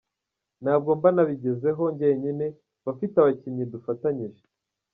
Ntabwo mba nabigezeho njyenyine, mba mfite abakinnyi dufatanyije.